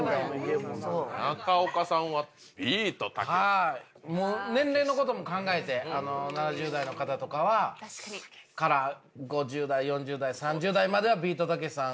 はい年齢のことも考えて７０代の方とかは。から５０代４０代３０代まではビートたけしさん